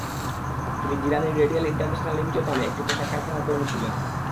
তিনি জিরানীর radial international limited নামে একটি পোশাক কারখানার কর্মী ছিলেন।